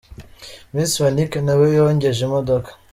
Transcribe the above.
Miss Fanique na we yogeje imodoka .